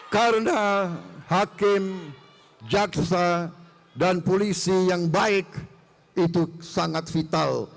karena hakim jaksa dan polisi yang baik itu sangat vital